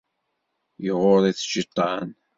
Iɣurr-it cciṭan.